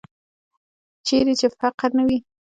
چیرې چې فقر نه وي.